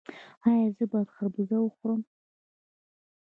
ایا زه باید خربوزه وخورم؟